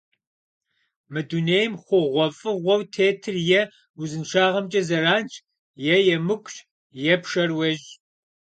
Мы дунейм хъугъуэфӏыгъуэу тетыр е узыншагъэмкӏэ зэранщ, е емыкӏущ, е пшэр уещӏ.